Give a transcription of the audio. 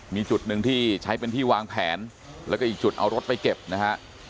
มีจุดหนึ่งที่ใช้เป็นที่วางแผนแล้วก็อีกจุดเอารถไปเก็บนะฮะ